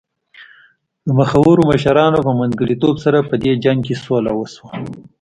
د مخورو مشرانو په منځګړیتوب سره په دې جنګ کې سوله وشوه.